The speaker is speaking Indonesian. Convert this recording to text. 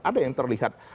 ada yang terlihat